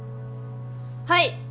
はい。